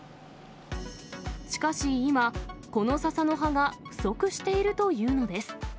しかし、今、この笹の葉が不足しているというのです。